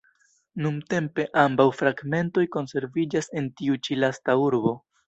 Nuntempe ambaŭ fragmentoj konserviĝas en tiu ĉi lasta urbo.